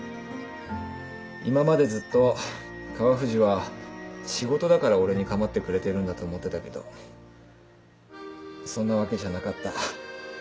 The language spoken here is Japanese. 今までずっと川藤は仕事だから俺に構ってくれてるんだと思ってたけどそんなわけじゃなかった。